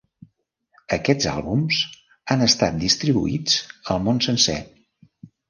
Aquests àlbums han estat distribuïts al món sencer.